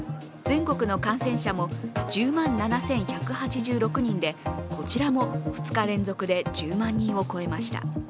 全国の感染者も１０万７１８６人でこちらも２日連続で１０万人を超えました。